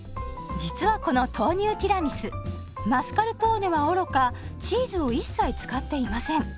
実はこの豆乳ティラミスマスカルポーネはおろかチーズを一切使っていません。